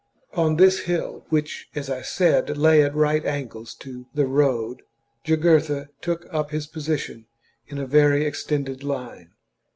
CHAP. On this hill, which, as I said, lay at right angles to the road, Jugurtha took up his position in a very ex tended line.